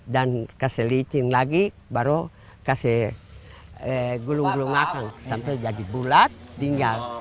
dan beri licin lagi baru beri gulung gulung akan sampai jadi bulat tinggal